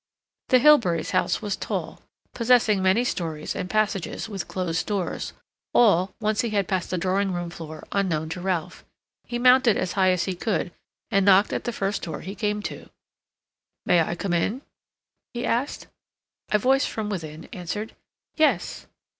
The Hilberys' house was tall, possessing many stories and passages with closed doors, all, once he had passed the drawing room floor, unknown to Ralph. He mounted as high as he could and knocked at the first door he came to. "May I come in?" he asked. A voice from within answered "Yes."